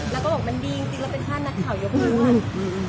แล้วก็บอกมันดีจริงเราเป็นท่านนักข่าวเยอะมาก